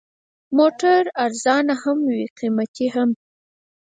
موټر ارزانه هم وي، قیمتي هم.